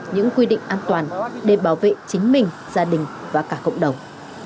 những quy định an toàn để bảo vệ chính mình gia đình và cả cộng đồng